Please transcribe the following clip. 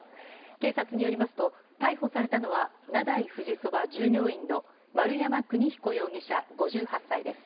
警察によりますと逮捕されたのは名代富士そば従業員の丸山国彦容疑者、５８歳です。